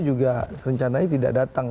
juga rencananya tidak datang